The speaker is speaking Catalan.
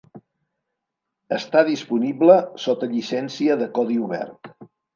Està disponible sota llicència de codi obert.